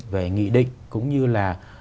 về nghị định cũng như là